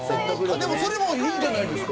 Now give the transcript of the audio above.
でも、それもいいんじゃないですか。